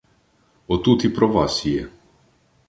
Отут і про вас є.